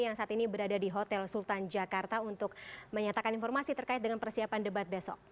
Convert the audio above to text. yang saat ini berada di hotel sultan jakarta untuk menyatakan informasi terkait dengan persiapan debat besok